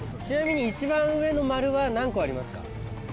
ちなみに一番上の丸は何個ありますか？